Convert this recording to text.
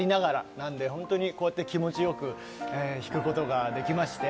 なので本当に気持ちよく弾くことができまして。